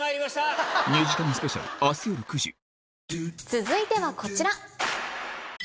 続いてはこちら。